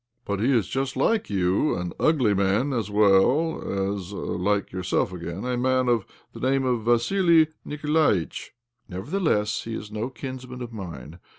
" But he is just like you— an ugly man, as well as (like yourself, again) a man of the name of Vassili Nikolaitch?" " Nevertheless he is no kinsman of mine.